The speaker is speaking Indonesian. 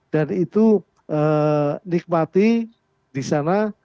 dan itu nikmati di sana